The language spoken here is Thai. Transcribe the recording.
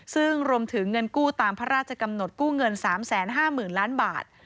ซึ่งรวมถึงเงินกู้ตามพระราชกำหนดกู้เงิน๓๕๐๐๐ล้านบาท